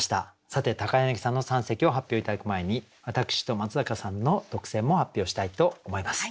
さて柳さんの三席を発表頂く前に私と松坂さんの特選も発表したいと思います。